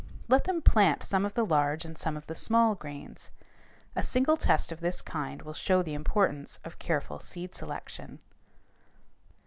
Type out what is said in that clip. Let them plant some of the large and some of the small grains. A single test of this kind will show the importance of careful seed selection.